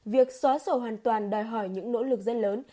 việc xóa sổ hoàn toàn đòi hỏi những nỗ lực rất lớn